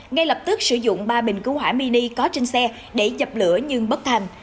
ngay lập tức sử dụng ba bình cứu hỏa mini có trên xe để chập lửa nhưng bất thành